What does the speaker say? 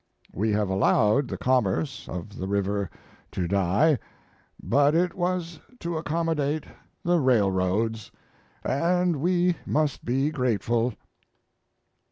We have allowed the commerce of the river to die, but it was to accommodate the railroads, and we must be grateful."